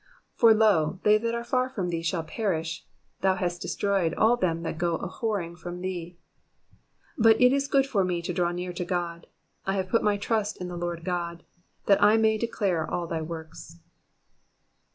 27 For, lo, they that are far from thee shall perish : thou hast destroyed all them that go a whoring from thee. 28 But // is good for me to draw near to God : I have put my trust in the Lord GoD, that I may declare all thy works.